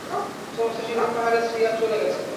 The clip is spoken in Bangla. সমস্ত শিলঙ পাহাড়ের শ্রী আজ চলে গেছে।